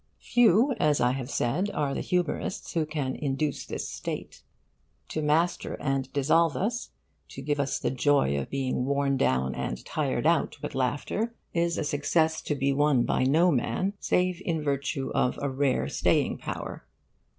Few, as I have said, are the humorists who can induce this state. To master and dissolve us, to give us the joy of being worn down and tired out with laughter, is a success to be won by no man save in virtue of a rare staying power.